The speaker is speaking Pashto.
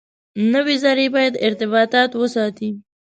نوي زره باید ارتباطات وساتي.